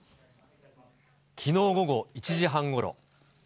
きのう午後１時半ごろ。